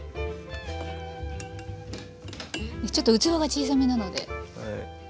ちょっと器が小さめなので。